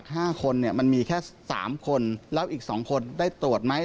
จาก๕คนเนี่ยมันมีแค่๓คนแล้วอีก๒คนได้ตรวจไหม